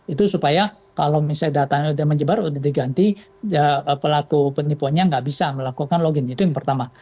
itu supaya kalau misalnya datanya sudah menyebar sudah diganti pelaku penipuannya nggak bisa melakukan login itu yang pertama